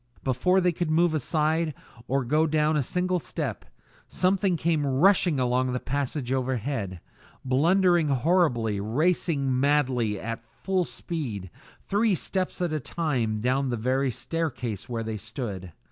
Before they could move aside, or go down a single step, someone came rushing along the passage overhead, blundering horribly, racing madly, at full speed, three steps at a time, down the very staircase where they stood.